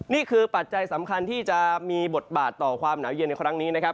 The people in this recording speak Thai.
ปัจจัยสำคัญที่จะมีบทบาทต่อความหนาวเย็นในครั้งนี้นะครับ